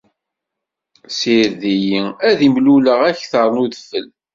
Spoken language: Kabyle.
Ssired-iyi, ad imluleɣ akter n udfel.